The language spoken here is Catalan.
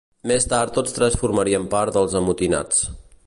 Més tard tots tres formarien part dels amotinats.